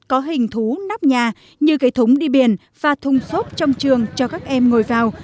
có hình thú nắp nhà như cái thùng đi biển và thùng xốp trong trường cho các em ngồi vào